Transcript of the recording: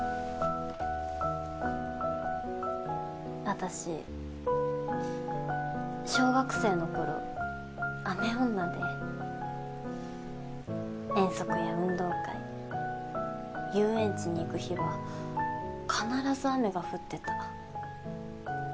私小学生の頃雨女で遠足や運動会遊園地に行く日は必ず雨が降ってた。